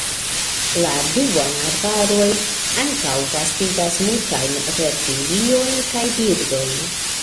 La duonarbaroj ankaŭ gastigas multajn reptiliojn kaj birdojn.